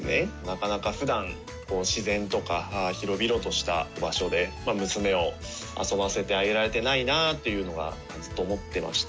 なかなかふだん、自然とか広々とした場所で、娘を遊ばせてあげられてないなっていうのが、ずっと思ってました。